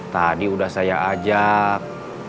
tadi udah saya ajak